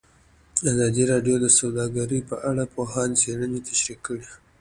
ازادي راډیو د سوداګري په اړه د پوهانو څېړنې تشریح کړې.